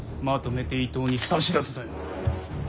まとめて伊東に差し出すのよ。